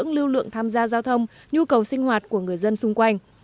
lưu lượng tham gia giao thông nhu cầu sinh hoạt của người dân xung quanh